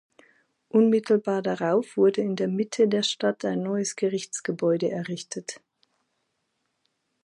Unmittelbar darauf wurde in der Mitte der Stadt ein neues Gerichtsgebäude errichtet.